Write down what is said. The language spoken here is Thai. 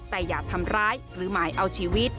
แต่อย่าทำร้ายหรือหมายเอาชีวิต